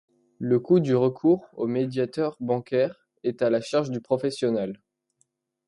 Le coût du recours au médiateur bancaire est à la charge du professionnel.